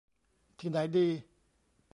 ที่ไหนดี